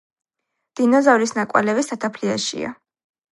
დინოზავრის ნაკვალევი სათაფლიაშია